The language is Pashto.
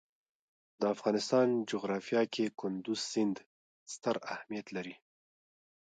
د افغانستان جغرافیه کې کندز سیند ستر اهمیت لري.